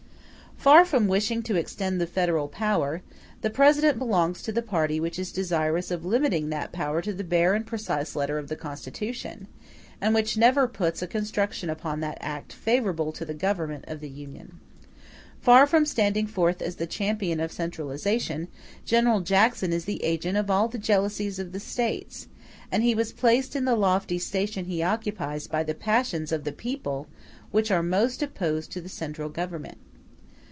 Far from wishing to extend the federal power, the President belongs to the party which is desirous of limiting that power to the bare and precise letter of the Constitution, and which never puts a construction upon that act favorable to the Government of the Union; far from standing forth as the champion of centralization, General Jackson is the agent of all the jealousies of the States; and he was placed in the lofty station he occupies by the passions of the people which are most opposed to the central Government.